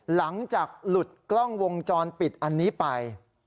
หลังจากหลุดกล้องวงจรปิดอันนี้ไป